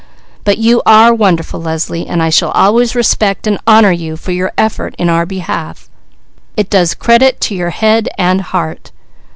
"But you are wonderful Leslie, and I always shall respect and honour you for your effort in our behalf. It does credit to your head and heart.